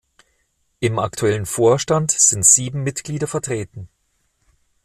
Im aktuellen Vorstand sind sieben Mitglieder vertreten.